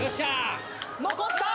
残った！